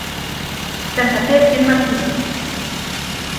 Santa Fe en Martínez.